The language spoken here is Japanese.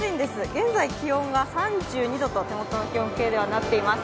現在、気温が３２度と手元の気温計ではなっています。